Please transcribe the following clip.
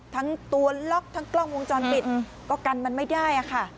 ทั้งตัวล็อกทั้งกล้องวงจรปิดก็กันมันไม่ได้ค่ะ